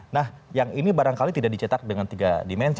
nah yang ini barangkali tidak dicetak dengan tiga dimensi